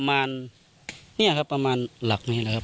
ไม่เยอะครับประมาณหลักนี้แหละครับ